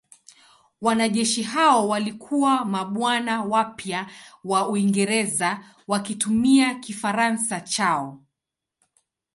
Wanajeshi hao walikuwa mabwana wapya wa Uingereza wakitumia Kifaransa chao.